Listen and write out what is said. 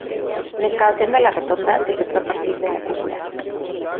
La excavación de la rotonda se efectuó a partir de la cúpula.